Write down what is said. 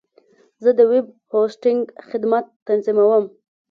زه د ویب هوسټنګ خدمت تنظیموم.